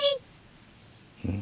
うん？